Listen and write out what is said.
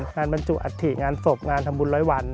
บรรจุอัฐิงานศพงานทำบุญร้อยวัน